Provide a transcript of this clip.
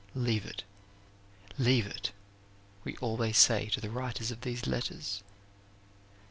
"Leave it, leave it," we always say to the writers of these letters.